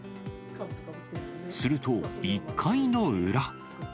すると、１回の裏。